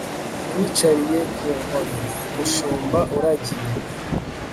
niyicariye ku nkoni nkumushumba uragiye